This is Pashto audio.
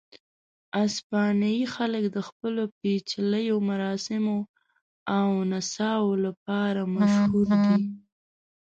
اسپانیایي خلک د خپلو پېچلیو مراسمو او نڅاو لپاره مشهور دي.